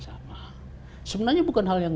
sama sebenarnya bukan hal yang